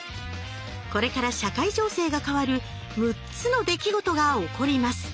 これから社会情勢が変わる６つの出来事が起こります。